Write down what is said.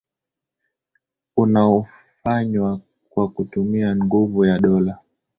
unaofanywa kwa kutumia nguvu ya Dola